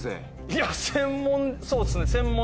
いや専門そうですね専門。